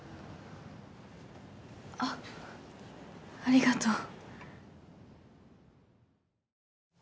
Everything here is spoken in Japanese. あっありがとう。